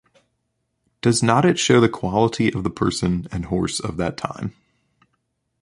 Does not it show the quality of the person and horse of that time.